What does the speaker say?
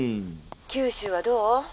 「九州はどう？」。